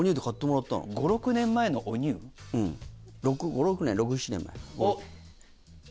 ５６年６７年前。